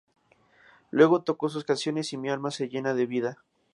Luego toco sus canciones y mi alma se llena de vida.